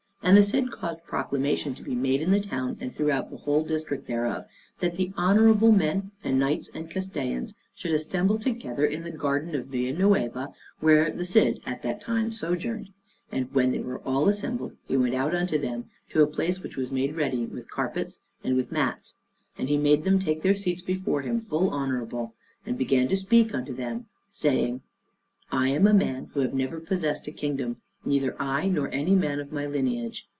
And the Cid caused proclamation to be made in the town and throughout the whole district thereof, that the honorable men and knights and castellans should assemble together in the garden of Villa Nueva, where the Cid at that time sojourned. And when they were all assembled, he went out unto them, to a place which was made ready with carpets and with mats, and he made them take their seats before him full honorable, and began to speak unto them, saying: "I am a man who have never possessed a kingdom, neither I nor any man of my lineage.